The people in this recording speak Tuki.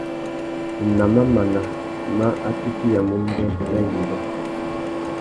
Nà mamana má atiffiyamú mbê, nà yirô.